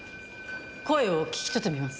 声を聞き取ってみます。